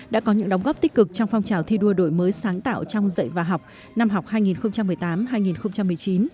đã có những đóng góp tích cực trong phong trào thi đua đổi mới sáng tạo trong dạy và học năm học hai nghìn một mươi tám hai nghìn một mươi chín